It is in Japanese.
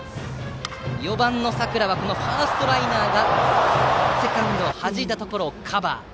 ４番の佐倉はファーストライナーがセカンドはじいたところをカバー。